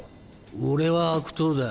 俺は悪党だ。